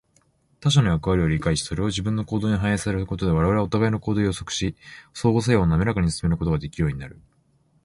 他者の役割を理解し、それを自己の行動に反映させることで、我々はお互いの行動を予測し、相互作用をなめらかに進めることができるようになる。